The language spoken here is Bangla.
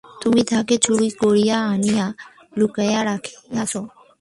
তুমি তাহাকে চুরি করিয়া আনিয়া লুকাইয়া রাখিয়াছ।